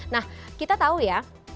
nah kita tahu ya